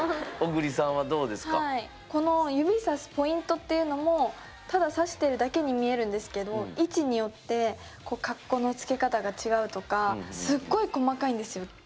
この指さすポイントっていうのもただ指してるだけに見えるんですけど位置によってかっこのつけ方が違うとかすっごい細かいんですよ。